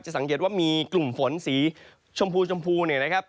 สังเกตว่ามีกลุ่มฝนสีชมพูชมพูเนี่ยนะครับ